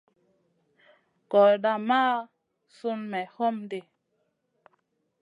Gordaa maʼa Sun me homdi.